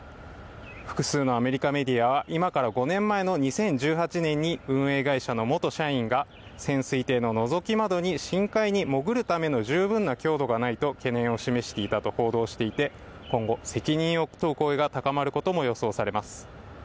複数のアメリカメディアは今から５年前の２０１８年に運営会社の元社員が潜水艇ののぞき窓に深海に潜るための十分な強度がないと懸念を示していたと報道していて今後責任を問う声が高まることも予想されます。